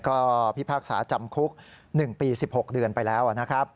ก็พิพากษาจำคุก๑ปี๑๖เดือนไปแล้วนะครับ